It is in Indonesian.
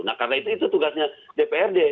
nah karena itu tugasnya dprd